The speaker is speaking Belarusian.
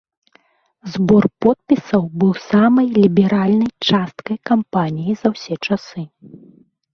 Збор подпісаў быў самай ліберальнай часткай кампаніі за ўсе часы.